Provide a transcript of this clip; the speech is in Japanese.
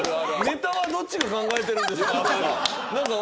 「ネタはどっちが考えてるんですか？」とか。